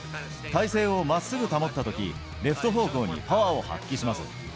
体勢をまっすぐに保ったとき、レフト方向にパワーを発揮します。